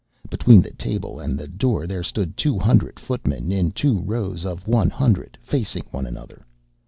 Between the table and the door there stood two hundred footmen in two rows of one hundred facing one another.